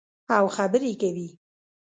او خبرې کوي.